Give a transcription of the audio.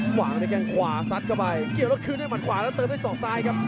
หวังในแกงขวาซัดเข้าไปเกี่ยวแล้วคืนให้มันขวาแล้วเติมให้สองซ้ายครับ